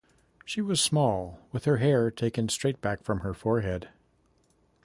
She was small, with her hair taken straight back from her forehead.